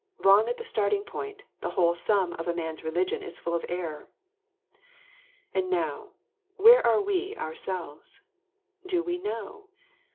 Wrong at the starting point, the whole sum of a man's religion is full of error. And now, where are we ourselves? Do we know?